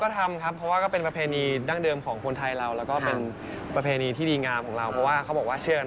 ทำครับก็ทำครับ